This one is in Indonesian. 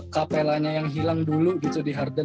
kapelanya yang hilang dulu gitu di harden